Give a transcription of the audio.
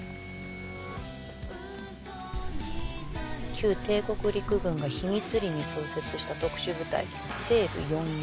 旧帝国陸軍が秘密裏に創設した特殊部隊西部四四